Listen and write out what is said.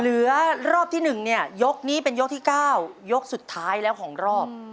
รอบที่๑เนี่ยยกนี้เป็นยกที่๙ยกสุดท้ายแล้วของรอบ